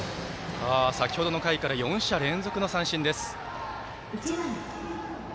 先ほどの回から４者連続の三振です。